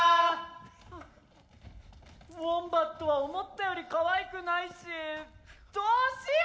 ウォンバットは思ったよりかわいくないしどうしよう。